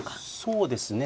そうですね